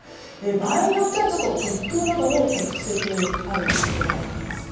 場合によっては突風なども局地的にある恐れがあります。